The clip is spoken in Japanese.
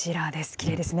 きれいですね。